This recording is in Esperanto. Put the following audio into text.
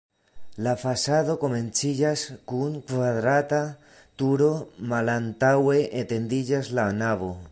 La fasado komenciĝas kun kvadrata turo, malantaŭe etendiĝas la navo.